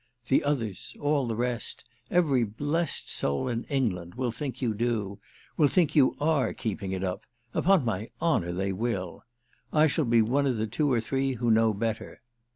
The others—all the rest, every blest soul in England, will think you do—will think you are keeping it up: upon my honour they will! I shall be one of the two or three who know better.